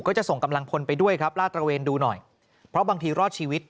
จะส่งกำลังพลไปด้วยครับลาดตระเวนดูหน่อยเพราะบางทีรอดชีวิต